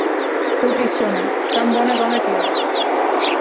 Pobrissona, tan bona dona que era!